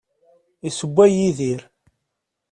Issewway Yidir.